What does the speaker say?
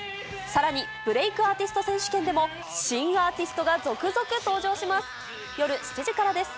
さらに、ブレイクアーティスト選手権でも新アーティストが続々登場します。